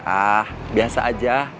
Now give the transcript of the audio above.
ah biasa aja